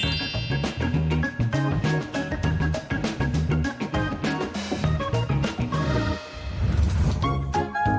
ก็เลยว่าหาอะไรที่มันเบากว่านี้